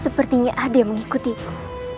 sepertinya ada yang mengikutiku